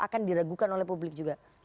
akan diragukan oleh publik juga